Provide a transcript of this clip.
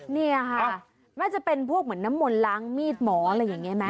นี่ค่ะน่าจะเป็นพวกเหมือนน้ำมนต์ล้างมีดหมออะไรอย่างนี้ไหม